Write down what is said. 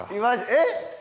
えっ？